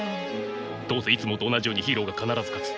どうせいつもと同じようにヒーローが必ず勝つ。